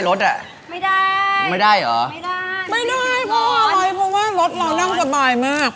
รถเรานั่นสบายมาก